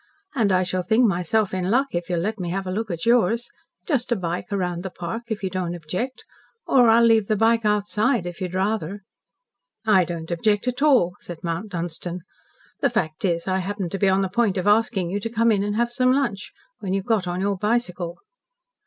And I shall think myself in luck if you'll let me have a look at yours just a bike around the park, if you don't object or I'll leave the bike outside, if you'd rather." "I don't object at all," said Mount Dunstan. "The fact is, I happened to be on the point of asking you to come and have some lunch when you got on your bicycle."